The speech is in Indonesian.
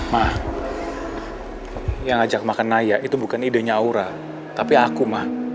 ma yang ngajak makan naya itu bukan idenya aura tapi aku ma